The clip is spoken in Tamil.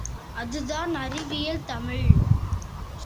அதுதான் அறிவியல் தமிழ்!